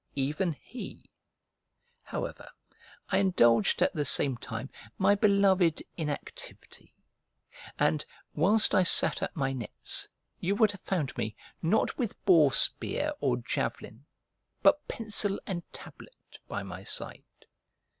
Even he. However, I indulged at the same time my beloved inactivity; and, whilst I sat at my nets, you would have found me, not with boar spear or javelin, but pencil and tablet, by my side.